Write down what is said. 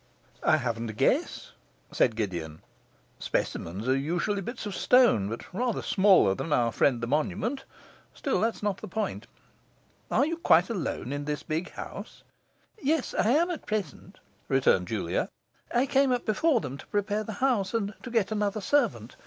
'I haven't a guess,' said Gideon. 'Specimens are usually bits of stone, but rather smaller than our friend the monument. Still, that is not the point. Are you quite alone in this big house?' 'Yes, I am at present,' returned Julia. 'I came up before them to prepare the house, and get another servant.